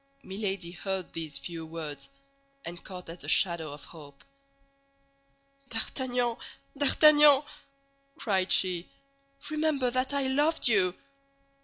Milady heard these few words and caught at a shadow of hope. "D'Artagnan, D'Artagnan!" cried she; "remember that I loved you!"